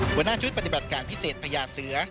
หัวหน้าชุดปฏิบัติการพิเศษพญาเสือ